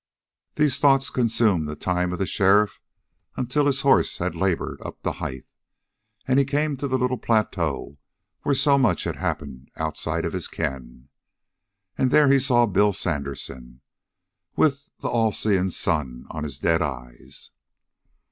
These thoughts consumed the time for the sheriff until his horse had labored up the height, and he came to the little plateau where so much had happened outside of his ken. And there he saw Bill Sandersen, with the all seeing sun on his dead eyes.